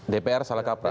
dpr salah kapra